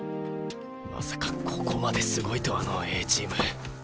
まさかここまですごいとはのうＡチーム。